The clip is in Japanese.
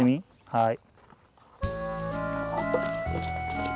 はい。